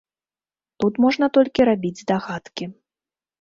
Тут можна толькі рабіць здагадкі.